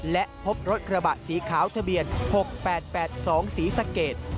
และพบรถกระบะสีขาวทะเบียน๖๘๘๒ศรีสะเกด